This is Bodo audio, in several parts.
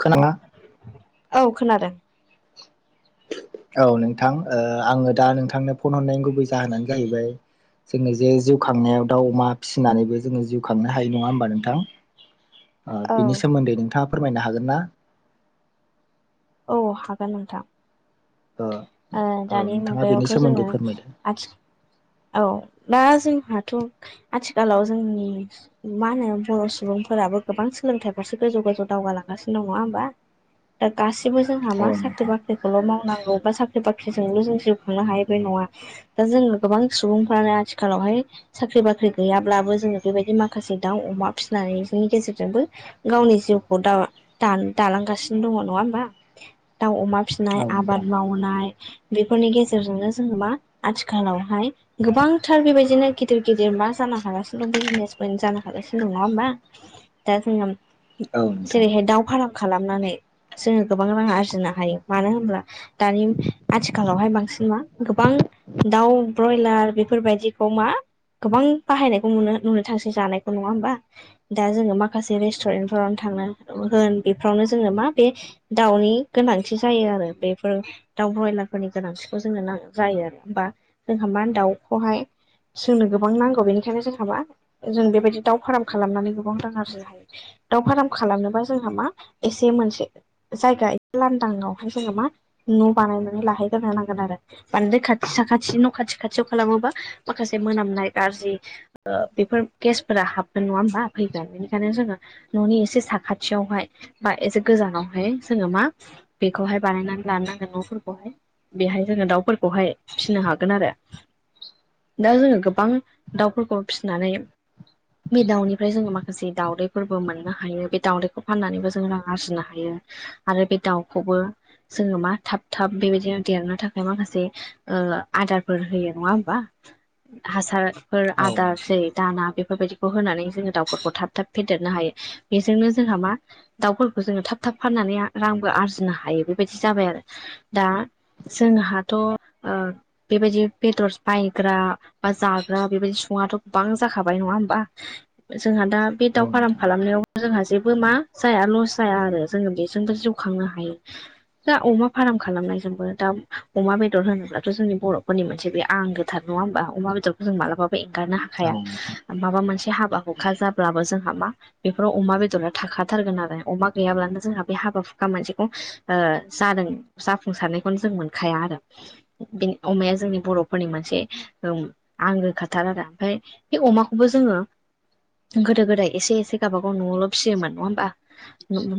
खोनादों [unintelligible] औ खोनादों औ नोंथां आङो दा नोंथांनो फन हरनायनि गुबै जाहोनानो जाहैबाय जोङो जे जिउ खांनायाव दाउ अमा फिसिनानैबो जोङो जिउ खांनो हायो नङा होमबा नोंथां औ बिनि सोमोन्दै नोंथाङा फोरमायनो हागोन ना औ हागोन ओ नोंथां औ दानि नोंथाङा बेनि मुगायावथ' सोमोन्दै जोङो फोरमायदो आथि औ दा जोंहाथ' आथिखालाव जोंनि मा होनो बर' सुबुंफोराबो गोबां सोलोंथाइफारसे गोजौ गोजौ दावगालांगासिनो दङ नङा होमबा [inaudible] दा गासैबो जोंहा औ मा साख्रि नोंथां बाख्रि खौल' मावनांगौ बा साख्रि बाख्रिजोंल' जों जिउ खांनो हायो बे नङा दा जों गोबां सुबुंफ्रानो आथिखालावहाय साख्रि बाख्रि गैयाब्लाबो जोङो बेबायदि माखासे दाउ अमा फिसिनानै जोंनि गेजेरजोंबो गावनि जिउखौ दा दालांगासिनो दङ नङा होमबा दाउ अमा फिसिनाय औ आबाद नोंथां मावनाय बेफोरनि गेजेरजोंनो जोङो मा‌ आथिखालावहाय गोबांथार बेबायदिनो गिदिर गिदिर मा जानो हागासिनो दं बिजनेसमेन जानो हागासिनो दं नङा होमबा दा जोंहा औ नोंथां जेरैहाय दाव फाराम खालामनानै जोङो गोबां रां आरजिनो हायो मानो होनब्ला दानि आथिखालावहाय बांसिन मा गोबां दाउ ब्रयलार बेफोरबायदिखौ मा गोबां बाहायनायखौ नुनो नुनो थांसै जानायखौ नङा होमबा दा जोङो माखासे रेस्टुरेन्टफोरावनो थांना होन बेफोरावनो जोङो मा बे दाउनि गोनांथि जायो आरो बेफोर दाउ ब्रयलारफोरनि गोनांथिखौ जोंनो नां जायो आरो होमबा जोंहा मा दाउखौहाय जोंनो गोबां नांगौ बेनिखायनो जोंहा मा जों बेबायदि दाउ फारम खालामनानै गोबां रां आरजिनो हायो दाउ फाराम खालामनोबा जोंहा मा एसे मोनसे जायगा एसे लांदाङावहाय जोङो मा न' बानायनानै लाहैगोरनो नांगोन आरो बानदो खाथि साखाथिनि न' खाथि खाथियाव खालामोबा माखासे मोनामनाय गाज्रि बेफोर गेसफोरा हाबगोन नङा होमबा फैगोन बेनिखायनो जोङो न'नि एसे साखाथियावहाय बा एसे गोजानावहाय जोङो मा बेखौहाय बानायनानै लानो नांगोन न'फोरखौहाय बेहाय जोङो दाउफोरखौहाय फिसिनो हा गोन आरो दा जोङो गोबां दाउफोरखौ फिसिनानै बे दाउनिफ्राय जोङो माखासे दाउदैफोरबो मोननो हायो बे दाउदैखौ फाननानैबो जों रां आरजिनो हायो आरो बे दाउखौबो जोङो मा थाब थाब बेबायदिनो देरनो थाखाय माखासे आदारफोर होयो नङा होमबा हासारफोर औ नोंथां औ नोंथां आदारसै दाना बेफोरबायदिखौ होनानै जोङो दाउफोरखौ थाब थाब फेदेरनो हायो बेजोंनो जोंहा मा दाउफोरखौ जोङो थाब थाब फाननानै रांबो आरजिनो हायो बेबायदि जाबाय आरो दा जोंहाथ' बेबायदि बेदर बायग्रा बा जाग्रा बेबायदि सङाथ' गोबां जाखाबाय नङा होमबा जोंहा दा बे औ दाउ फार्म नोंथां खालामनायाव जोंहा जेबो मा जाया लस जाया आरो जोङो बेजोंबो जिउ खांनो हायो दा अमा फार्म खालामनायजोंबो दा अमा बेदर होनोब्लाथ' जोंनि बर' फोरनि मोन बे आं गोथार नङा होनोमबा अमा बेदरखौ जों मालाबाबो ऐंगारनो हाया औ हखाया नोंथां माबा मोनसे हाबा हुखा जाब्लाबो जोंहा मा बेफोराव अमा बेदरा थाखाथारगोन आरो अमा गैयाब्लानो जोंहा बे हाबा हुखा मोनसेखौ जादों जाफुंसारनायखौनो जों मोनखाया आरो बेनि अमाया जोंनि बर'फोरनि मोनसे औ आंगोखाथार आरो ओमफ्राय बे अमाखौबो जोङो गोदो गोदाय एसे एसे गावाबागाव न'आवल' फियोम नङा होमबा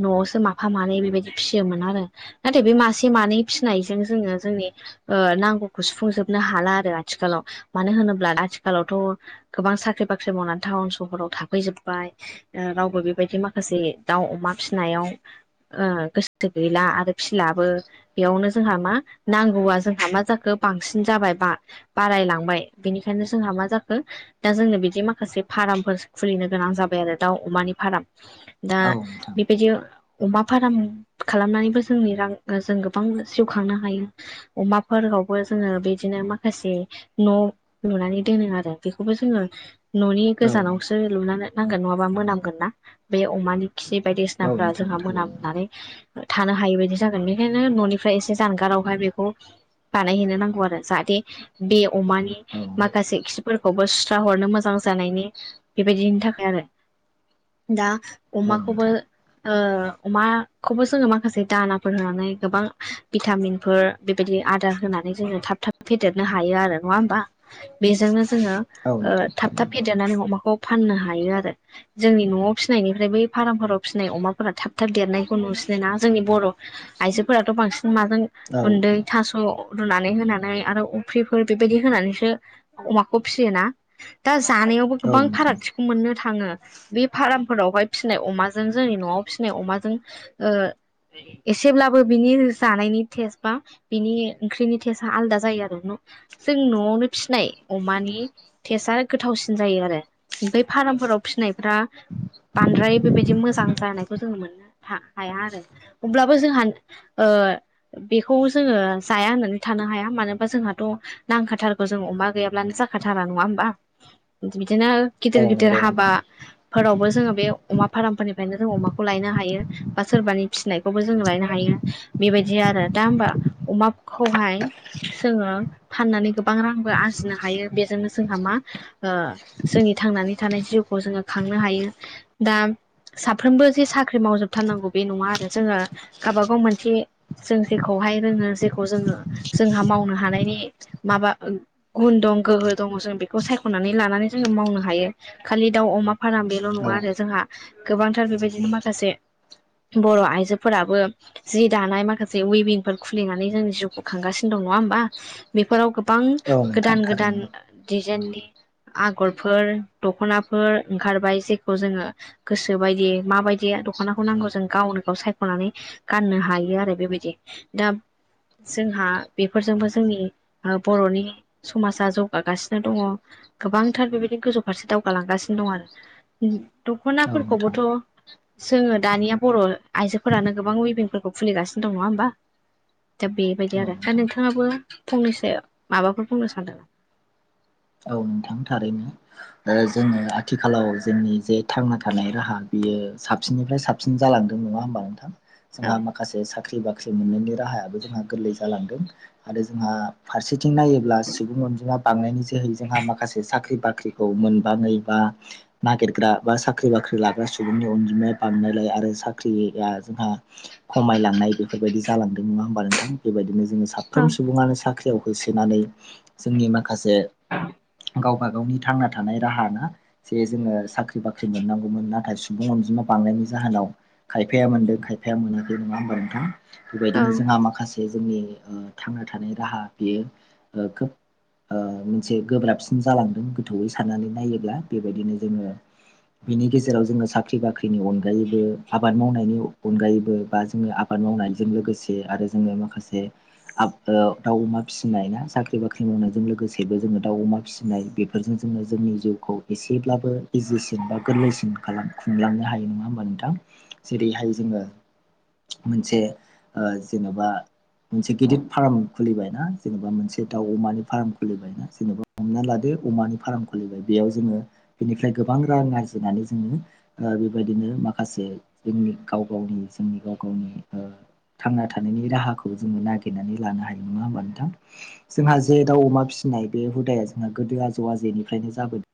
न'आवसो माफा मानै बेबायदि फिसियोमोन आरो नाथाय बे मासे मानै फिसिनायजों जोङो जोंनि नांगौ खौ सुफुंजोबनो हाला आरो आथिखालाव मानो होनोब्ला आथिखालावथ' गोबां साख्रि बाख्रि मावनानै टाउन सहराव थाफैजोबबाय रावबो बेबायदि माखासे दाउ अमा फिसिनायाव गोसो गैला आरो फिलाबो बेयावनो जोंहा मा नांगौआ जोंहा मा जाखो बांसिन जाबाय बा बारायलांबाय बेनिखायनो जोंहा मा जाखो दा जोंनो बिदि माखासे फार्मफोर खुलिनो गोनां जाबाय आरो दाउ अमानि फार्म दा औ नोंथां बेबायदि अमा फार्म खालामनानैबो जोंनि रां जों गोबां जिउखांनो हायो अमाफोराव बो जोङो बिदिनो माखासे न' लुनानै दोनो आरो बेखौबो जोङो न'नि औ गोजानावसो लुनानै नांगोन नङाबा मोनामांगोन ना बे अमानि खि औ बायदिसिनाफ्रा नोंथां जोंहा थारैनो मोनामनानै थानो हायि बायदि जागोन बेखायनो न'निफ्राय एसे जानगारावहाय बेखौ बानायहैनो नांगौ आरो जाहाथे बे अमानि औ माखासे खिफोरखौबो सुस्रा हरनो मोजां जानायनि बेबायदिनि थाखाय आरो दा औ अमाखौबो नोंथां अमाखौबो जोङो माखासे दानाफोर होनानै गोबां भिटामिनफोर बेबायदि आदार होनानै जोङो थाब थाब फेदेरनो हायो आरो नङा होमबा बेजोंनो जोङो औ नोंथां थाब थाब थारैनो फेदेरनानै अमाखौ फाननो हायो आरो जोंनि न'आव फिसिनायनिफ्राय बै फार्मफोराव फिसिनाय अमाफोरा थाब थाब देरनायखौ नुसिनो ना जोंनि बर' आइजोफोराथ' बांसिन माजों औ गुन्दै थास' रुनानै होनानै आरो अफ्रिफोर बेबायदि होनानैसो अमाखौ फिसियोना दा जानायावबो औ औ गोबां नोंथां फारागथिखौ मोननो थाङो बे फारमफोरावहाय फिसिनाय अमाजों जोंनि न'आव फिसिनाय अमाजों एसेब्लाबो बिनि जानायनि टेस्ट बा बिनि ओंख्रिनि टेस्टआ आलदा जायो आरो जों न'आवनो फिनाय अमानि टेस्टआ गोथावसिन जायो आरो बफ्राय फार्मफोराव फिनायफ्रा बांद्राय बेबायदि मोजां जानाय खौ जों मोननो हाया आरो अब्लाबो जोंहा बेखौ जोङो जाया होननानै थानो हाया मानोबा जोंहाथ' नांखाथारगौ जोंो अमा गैयाब्लानो जाखाथारा नङा होमबा बिदिनो गिदिर औ गिदिर नंगौ नोंथां हाबाफोरावबो जोङो बे अमा फार्मफोरनिफ्रायनो जों अमाखौ लायनो हायो बा सोरबानि फिसिनायखौबो जों लायनो हायो बेबायदि आरो दा हबा अमाखौहाय जोङो फाननानै गोबां रांबो आरजिनो हायो बेजोंनो जोंहा मा? जोंनि थांनानै थानाय जिउखौ जोङो खांनो हायो दा साफ्रोमबो जे साख्रि मावजोबथारनांगौ बे नङा आरो जोङो गावबागाव मोनसे जों जेखौहाय रोङो जेखौ जोङो जोंहा मावनो हानायनि माबा गुन दं गोहो दङ जों बेखौ सायख'नानै लानानै जोङो मावनो हायो। खालि दाउ अमा फार्म बेल' औ नङा आरो जोंहा गोबांथार बेबायदिनो माखासे बर' आइजोफोराबो जि दानाय माखासे उविन फोर खुलिनानै जोंनि जिउखौ खांगासिनो दं नङा होमबा बेफोराव गोबां औ नोंथां गोदान गोदान थारैनो दिजाइननि आगरफोर दख'नाफोर ओंखारबाय जेखौ जोङो गोसो बायदि माबायदि दख'नाखौ नांगौ जों गावनो गाव सायख'नानै गाननो हायो आरो बेबायदि दा जोंहा बेफोरजोंबो जोंनि बर'नि समाजा जौगागासिनो दङ। गोबांथार बेबायदि गोजौ फारसे दावगालांगासिनो दं आरो औ नोंथां दख'नाफोरखौबोथ' जोङो दानिया बर' आइजोफोरानो गोबां वेबििंफोरखौ खुलिगासिनो दं नङा होमबा? दा बेबायदि औ आरो दा नोंथां नोंथाङाबो फंनैसो माबाफोर बुंनो सानदों? औ नोंथां थारैनो जोङो आथिखालाव जोंनि जे थांना थानाय राहा बियो साबसिननिफ्राय साबसिन साबसिन जालांदों नङा होमबा नोंथां औ जोंहा माखासे साख्रि बाख्रि मोननायनि राहायाबो जोंहा गोरलै जालांदों आरो जोंहा फारसेथिं नायोब्ला सुबुं अनजिमा बांनायनि जोहै जोंहा माखासे साख्रि बाख्रिखौ मोनबा नैबा नागिरग्रा बा साख्रि बाख्रि लाग्रा सुबुंनि अनजिमाया बाहायनायलाय आरो साख्रिया जोंहा खमायलांनाय बेफोरबायदि जालांदों नङा होमबा नोंथां बेबायदिनो जोङो सा औ साफ्रोम सुबुङानो साख्रियाव होसोनानै जोंनि माखासे औ गावबा गावनि थांना थानाय राहा ना? जे जोङो साख्रि बाख्रि मोननांगौमोन नाथाय सुबुं अनजिमा बांनायनि जाहोनाव खायफाया मोनदों खायफाया मोनाखै नङा होमबा नोंथां औ बेबायदिनो जोंहा माखासे जे जोंनि थांना थानाय राहा बियो खोब ओ मोनसे गोब्राबसिन गोथौै साननानै नायोब्ला बेबायदिनो जोङो बेनि गेजेराव जों सा साख्रि बाख्रिनि अनगायैबो आबाद मावनायनि अनगायैबो बा जोङो आबाद मावनायजों लोगोसे आरो जोङो माखासे आ दाउ अमा फिसिनाय ना साख्रि बाख्रि मावनायजों लोगोसेबो जोङो दाउ अमा फिसि फिनाय बेफोरजों जोंनो जोंनि जिउखौ एसेब्लाबो इजिसिन बा गोरलैसिन खालामो। खुंलांनो हायो नङा होमबा नोंथां जेरैहाय जोङो मोनसे ओ जेन'बा मोनसे गिदिर फार्म खुलिबायना जेनेबा मोनसे दाउ अमानि फार्म खुलिबायना जेनेबा हमना लादो अमानि फार्म खुलिबाय बेयाव जोङो बेनिफ्राय गोबां रां आरजिनानै जोङो बेबायदिनो माखासे जोंनि गाव गावनि जोंनि गाव गावनि थांना थानायनि राहाखौ जोङो नागिरनानै लानो हायो नङा होमबा नोंथां? जोंहा जे दाउ अमा फिसिनाय बे हुदाया जोंहा गोदो आजौ आजेनिफ्रायनो जाबोदों।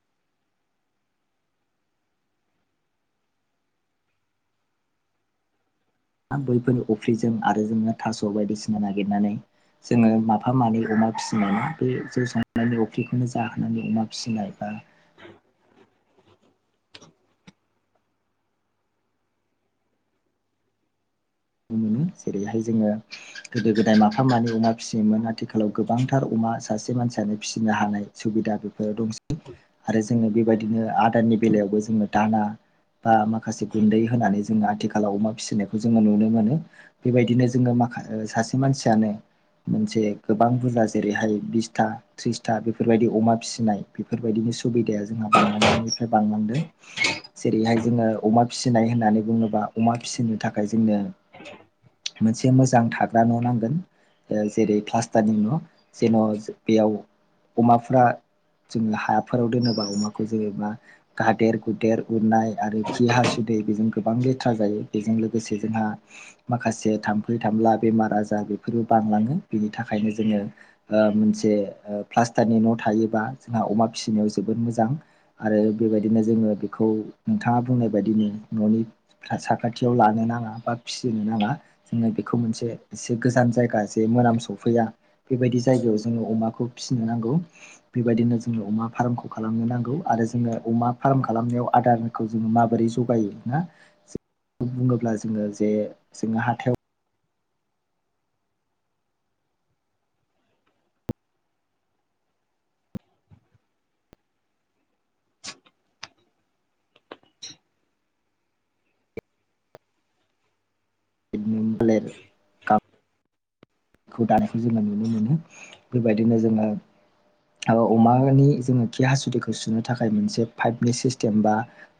द बैफोर अफ्रिजों आरो जोङो थास' बायदिसिना नागिरनानै जोङो माफा मानै अमा फिसिनाय बे जौ संनायनि अफ्रिखौनो जाहोनानै अमा फिसिनाय बा मोनो जेरैहाय जोङो गोदो गोदाय माफा मानै अमा फिसियोन आरो। आथिखालाव गोबांथार अमा सासे मानसियानो फिसिनो हानाय सुबिदा बेफोर दंसै। आरो जोङो बेबायदिनो आदारनि बेलायावबो जोङो दाना बा माखासे गुन्दै होनानै जोङो आथिखालाव अमा फिसिनायखौ जोङो नुनो मोनो। मोनो बेबायदिनो जोङो माखा सासे मानसियानो मोनसे गोबां बुरजा जेरैहाय बिसथा थ्रिसथा बेफोरबायदि अमा फिसिनाय बेफोरबायदिनि सुबिदाया जोंहा बांलांनायनिफ्राय बांलांदों जेरैहाय जोङो अमा फिसिनाय होननानै बुङोब्ला अमा फिसिनो थाखाय जोंनो [inaudible] मोनसे मोजां थाग्रा न' नांगोन जेरै क्लास्टारनिङ जेन' बेयाव अमाफ्रा जोङो हाफोराव दोनोबा अमाखौ जेरै मा गादेर गुदेर उरनाय आरो खि हासुदै बेजों गोबां लेथ्रा जायो बेजों लोगोसे जोंहा माखासे थाम्फै थामफला बेमार आजार बेफोरबो बांलाङो बेनि थाखायनो जोङो मोनसे प्लास्टारनि न' थायोबा जोंहा अमा फिसिनायाव जोबोद मोजां आरो बेबायदिनो जोङो बेखौ नोंथाङा बुंनाय बायदिनो न'नि साखाथियाव लानो नाङा बा फिसिनो नाङा जोङो बेखौ मोनसे एसे गोजान जायगा जे मोनाम सफैया बेबायदि जायगायाव जोङो अमाखौ फिसिनो नांगौ बेबायदिनो जोङो अमा फार्मखौ खालामनो नांगौ आरो जोङो अमा फार्म खालामनायाव आदार जो माबोरै जायो जौगायो ना जे बुङोब्ला जोङो जे जोङो हाथायाव [unintelligible] खौ दानायखौ जोङो नुनो मोनो बेबायदिनो जोङो अमानि जोङो खि हासुदैखौ सुनो थाखाय मोनसे पाइपनि सिस्टेम बा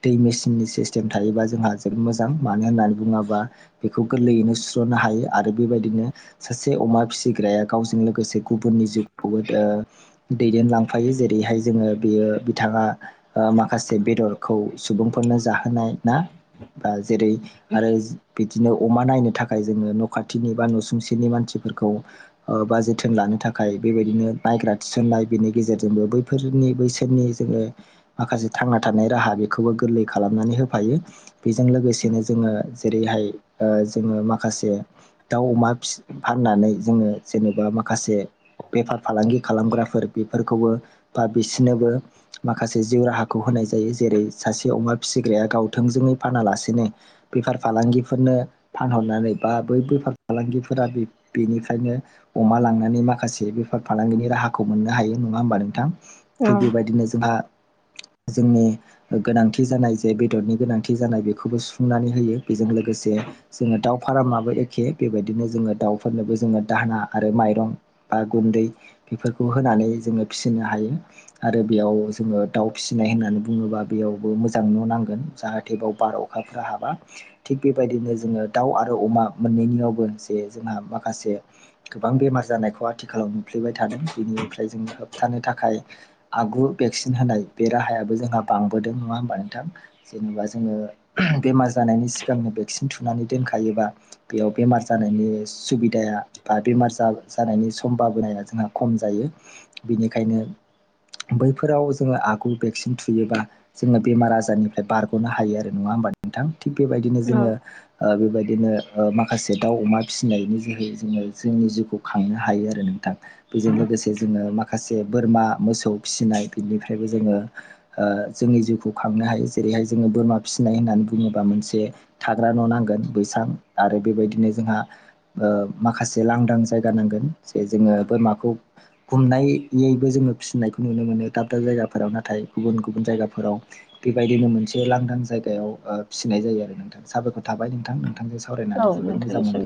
दै मेसिननि सिस्टेम थायोबा जोंहा जोबोद मोजां मानो होननानै बुङोब्ला बेखौ गोरलैयैनो सुस्र'नो हायो आरो बेबायदिनो सासे अमा फिसिग्राया गावजों लोगोसे गुबुननि जिउखौबो दैदेनलांफायो जेरैहाय जोङो बेयो बिथाङा माखासे बेदरखौ सुबुंफोरनो जाहोनाय ना बा जेरै आरो बिदिनो अमा नायनो थाखाय जोङो न' खाथिनि बा न'सुंसे नि मानसिफोरखौ बा जोथोन लानो थाखाय बेबायदिनो नायग्रा थिसननाय बेनि गेजेरजोंबो बै फोरनि बैसोरनि जोङो माखासे थांना थानाय राहा बेखौबो गोरलै खालामनानै होफायो बेजों लोगोसेनो जोङो जेरैहाय जोङो माखासे दाउ अमा फि फाननानै जोङो जेनेबा माखासे बेफार फालांगि खालामग्राफोर बेफोरखौबो बा बिसोरनोबो माखासे जिउ राहाखौ होनाय जायो जेरै सासे अमा फिसिग्राया गावथोंजोङै फानालासेनो बेफार फालांगिफोरनो फानहरनानै बा बै बेफार फालांगि फोरा बेनिफ्रायनो अमा लांनानै माखासे बेफार फालांगिनि राहाखौ मोननो हायो नङा होमबा नोंथां थिग औ बेबायदिनो जोंहा जोंनि गोनांथि जानाय जे बेदरनि गोनांथि जानाय बेखौबो सुफुंनानै होयो बेजों लोगोसे जोङो दाउ फारामाबो एखे बेबायदि बिदिनो जोङो दाउफोरनोबो जोङो दाहोना आरो माइरं बा गुन्दै बेफोरखौ होनानै जोङो फिसिनो हायो आरो बेयाव जोङो दाउ फिसिनाय होननानै बुङोब्ला बेयावबो मोजां न' नांगोन जाहाथे बेयाव बाराव अखाफ्रा हाबा थिग बेबायदिनो जोङो दाउ आरो अमा मोननैनियावबो जे जोंहा माखासे गोबां बेमार जानायखौ आथिखालाव नुफ्लेबाय थादों बेनिफ्राय जों होब थानो थाखाय आगु भेक्सिन होनाय बे राहायाबो जोंहा बांबोदों नङा होमबा नोंथां जेनेबा जोङो बेमार जानायनि सिगांनो भेक्सिन थुनानै दोनखायोबा बेयाव बेमार जा जानायनि सुबिदाया बा बेमार जानायनि सम्भाबनाया जोंहा खम जायो बेनिखायनो बैफोराव जोङो आगु भेक्सिन थुयोबा जोङो बेमार आजारनिफ्राय बारग'नो हायो आरो नङा होमबा नोंथां थिग बेबायदिनो जोङो बेबायदिनो माखासे बे दाउ अमा फिसिनायनि जोहै जोङो जोंनि जिउखौ खांनो हायो आरो नोंथां बेजों लोगोसे जोङो माखासे बोरमा मोसौ फिसिनाय बिनिफ्रायबो जोङो ओ जोंनि जिउखौ खांनो हायो जेरैहाय जोङो बोरमा फिसिनाय होननानै बुङोबा मोनसे थाग्रा न' नांगोन बैसां आरो बेबायदि नो जोंहा ओ माखासे लांदां जायगा नांगोन जे जोङो बोरमाखौ गुमनायैबो जोङो फिसिनायखौ नुनो मोनो दाब दाब जायगाफोराव नाथाय गुबुन गुबुन जायगाफोराव बेबायदिनो मोनसे लांदां जायगायाव फिसिनाय जायो आरो नोंथां साबायखर थाबाय नोंथां नों थां जों सावराय औ नोंथांसिम